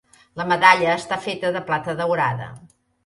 La medalla està feta de plata daurada.